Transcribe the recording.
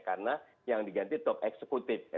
karena yang diganti top executive